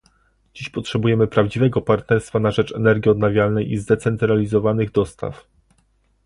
Dziś potrzebujemy prawdziwego partnerstwa na rzecz energii odnawialnej i zdecentralizowanych dostaw